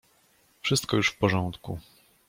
"Wszystko już w porządku."